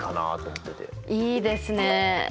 いいですねえ。